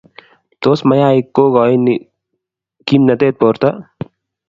Tos mayaik kogani gomnatet borto?